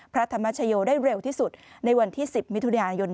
พระธมชโยได้เร็วที่สุดวันที่๑๐มิศน